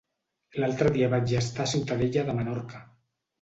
L'altre dia vaig estar a Ciutadella de Menorca.